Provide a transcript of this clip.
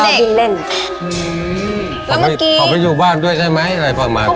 แล้วเมื่อกี้เผาไปอยู่บ้านด้วยใช่ไหมอะไรประมาณนี้